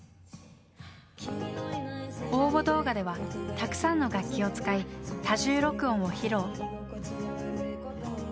応募動画ではたくさんの楽器を使い多重録音を披露。